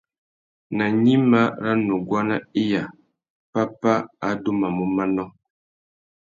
Nà gnïmá râ nuguá nà iya, pápá adumamú manô.